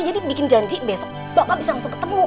jadi bikin janji besok bapak bisa langsung ketemu